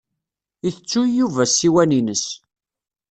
Itettuy Yuba ssiwan-ines.